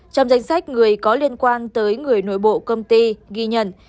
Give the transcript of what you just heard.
trong danh sách người có liên quan tới người nội bộ công ty ghi nhận